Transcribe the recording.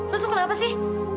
lu tuh kenapa sih